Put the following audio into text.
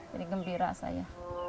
jadi gembira saya